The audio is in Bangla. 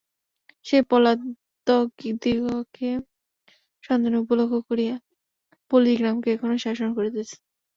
সেই পলাতকদিগকে সন্ধানের উপলক্ষ করিয়াই পুলিস গ্রামকে এখনো শাসন করিতেছে।